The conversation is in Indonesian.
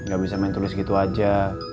gak bisa main tulis gitu aja